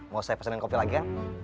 mau saya pesenin kopi lagi kang